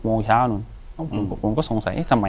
อยู่ที่แม่ศรีวิรัยิลครับ